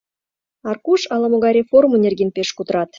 — Аркуш, ала-могай реформо нерген пеш кутырат.